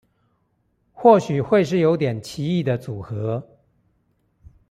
或許會是有點奇異的組合